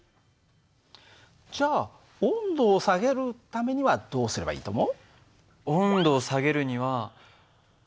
じゃあ温度を下げるためにはどうすればいいと思う？